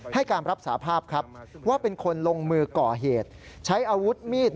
ให้การรับสาภาพครับว่าเป็นคนลงมือก่อเหตุ